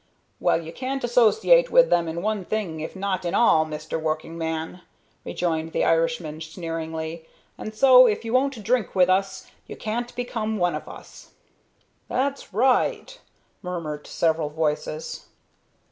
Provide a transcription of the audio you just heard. "Well, you can't associate with them in one thing if not in all, Mr. Workingman," rejoined the Irishman, sneeringly, "and so, if you won't drink with us, you can't become one of us." "That's right," murmured several voices.